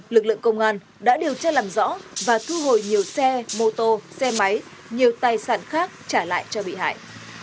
lực lượng công an đã điều tra làm rõ và thu hồi nhiều xe mô tô xe máy nhiều tài sản khác trả lại cho bị hại